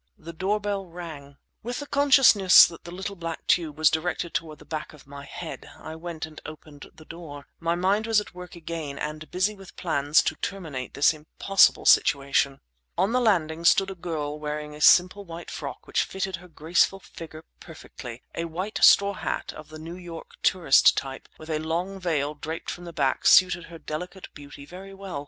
The door bell rang. With the consciousness that the black tube was directed toward the back of my head, I went and opened the door. My mind was at work again, and busy with plans to terminate this impossible situation. On the landing stood a girl wearing a simple white frock which fitted her graceful figure perfectly. A white straw hat, of the New York tourist type, with a long veil draped from the back suited her delicate beauty very well.